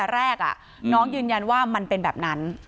ที่โพสต์ก็คือเพื่อต้องการจะเตือนเพื่อนผู้หญิงในเฟซบุ๊คเท่านั้นค่ะ